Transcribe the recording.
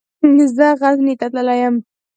زه غزني ته تللی يم.